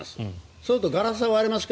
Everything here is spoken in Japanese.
そうするとガラスは割れますが